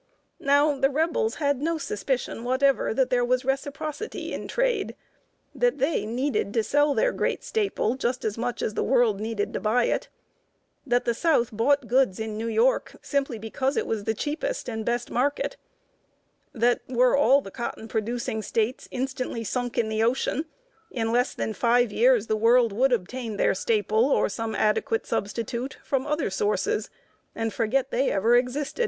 Now the Rebels had no suspicion whatever that there was reciprocity in trade; that they needed to sell their great staple just as much as the world needed to buy it; that the South bought goods in New York simply because it was the cheapest and best market; that, were all the cotton producing States instantly sunk in the ocean, in less than five years the world would obtain their staple, or some adequate substitute, from other sources, and forget they ever existed.